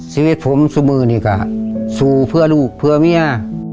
ชีวิตผมเสมอนี่ก็สู้เพื่อลูกเพื่อเมีย